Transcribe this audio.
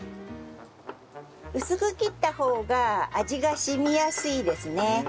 薄く切った方が味が染みやすいですね。